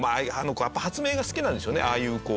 やっぱ発明が好きなんでしょうねああいうこう。